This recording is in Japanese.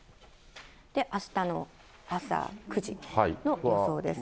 あしたの朝９時の予想です。